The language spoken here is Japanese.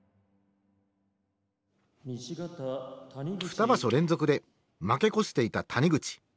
二場所連続で負け越していた谷口。